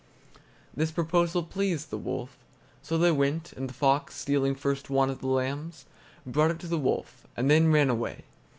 This proposal pleased the wolf, so they went, and the fox, stealing first one of the lambs, brought it to the wolf, and then ran away.